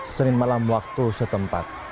senin malam waktu setempat